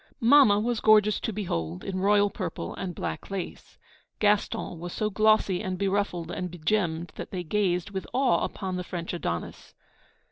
Mamma was gorgeous to behold, in royal purple and black lace. Gaston was so glossy and beruffled and begemmed, that they gazed with awe upon the French Adonis.